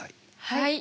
はい。